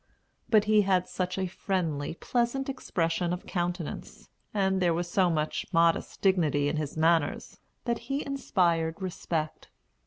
But he had such a friendly, pleasant expression of countenance, and there was so much modest dignity in his manners, that he inspired respect.